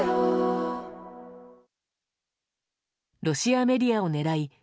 ロシアメディアを狙い